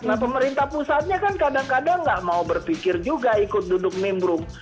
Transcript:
nah pemerintah pusatnya kan kadang kadang nggak mau berpikir juga ikut duduk nimbrum